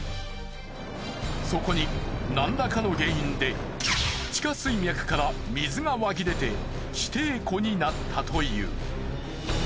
そこに何らかの原因で地下水脈から水が湧き出て地底湖になったという。